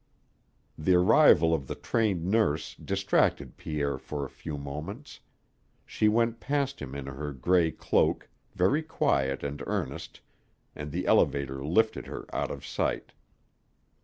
The arrival of the trained nurse distracted Pierre for a few moments. She went past him in her gray cloak, very quiet and earnest, and the elevator lifted her out of sight.